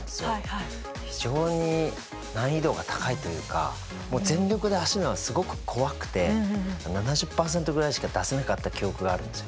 非常に難易度が高いというかもう全力で走るのがすごく怖くて７０％ぐらいしか出せなかった記憶があるんですよね。